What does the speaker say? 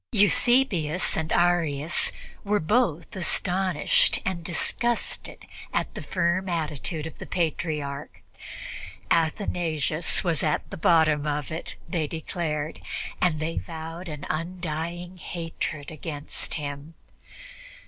Eusebius and Arius were both astonished and disgusted at the firm attitude of the Patriarch. Athanasius was at the bottom of it, they declared, and they vowed an undying hatred against him.